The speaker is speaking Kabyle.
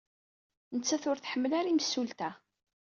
Nettat ur tḥemmel ara imsulta.